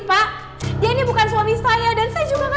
pak jangan percaya pak ini semua